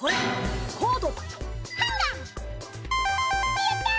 やった！